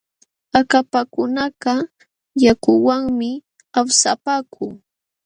Akapakunakaq yakuwanmi awsapaaku.